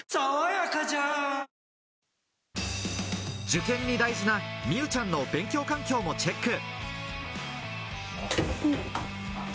受験に大事な、美羽ちゃんの勉強環境をチェック。